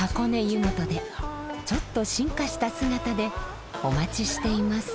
湯本でちょっと進化した姿でお待ちしています。